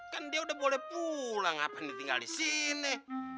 kan dia udah boleh pulang apa ini tinggal di sini